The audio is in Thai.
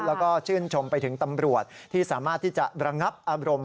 แล้วก็ชื่นชมไปถึงตำรวจที่สามารถที่จะระงับอารมณ์